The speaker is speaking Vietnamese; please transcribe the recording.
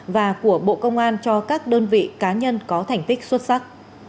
và của bộ công an cho các đơn vị cá nhân có thành tích xuất sắc